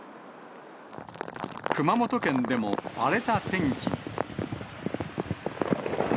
熊本県でも、荒れた天気に。